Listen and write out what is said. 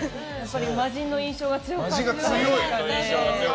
魔人の印象が強かったですかね。